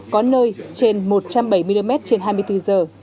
có nơi trên một trăm bảy mươi mm trên hai mươi bốn giờ